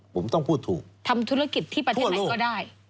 ผมต้องพูดถูกทำธุรกิจที่ประเทศไหนก็ได้